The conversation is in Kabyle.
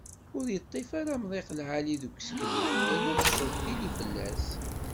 Ur yeṭṭif ara amḍiq lεali deg useklu yerna tcaḍ tili fell-as.